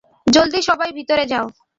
জলদি, সবাই ভিতরে যাও!